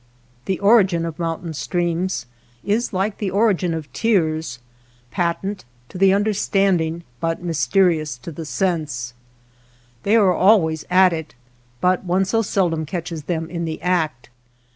The origin of mountain streams is like the origin of tears, patent to the under standing but mysterious to the sense. 205 WATER BORDERS They are always at it, but one so seldom catches them in the act.